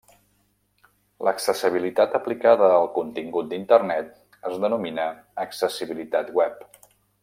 L'accessibilitat aplicada al contingut d'Internet es denomina accessibilitat web.